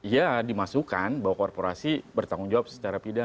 ya dimasukkan bahwa korporasi bertanggung jawab secara pidana